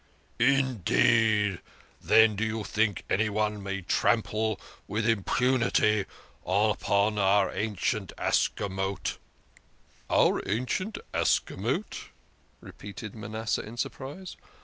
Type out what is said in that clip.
" Indeed ! Then do you think anyone may trample with impunity upon our ancient Ascamot? " "Our ancient Ascamot. f" repeated Manasseh in surprise.